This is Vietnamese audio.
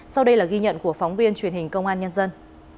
sau đây là ghi nhận của phóng viên truyền hình công an nhân dân